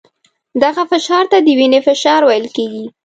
دغه فشار ته د وینې فشار ویل کېږي.